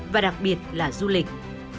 và đặc biệt là du lịch